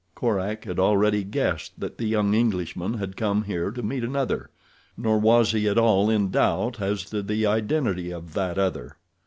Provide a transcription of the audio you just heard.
Korak had already guessed that the young Englishman had come here to meet another, nor was he at all in doubt as to the identity of that other.